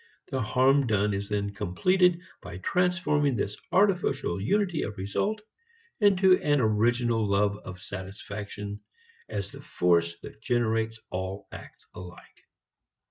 The harm done is then completed by transforming this artificial unity of result into an original love of satisfaction as the force that generates all acts alike.